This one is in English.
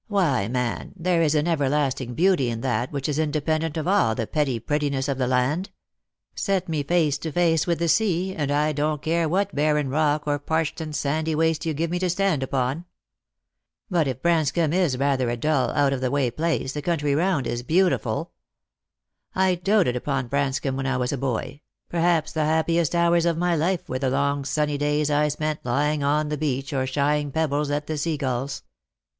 Why, man, there is an everlasting beauty in that which is independent of all the petty prettiness of the land. Set me face to face with the sea,, and I don't care what barren rock or parched and sandy waste yon give me to stand upon. But if Branscomb is rather a dull, out of the way place, the country round is beautiful. I doated upon Branscomb when I was a boy; perhaps the happiest hours of my life were the long sunny days I spent lying on the beach or shying pebbles at the seagulls."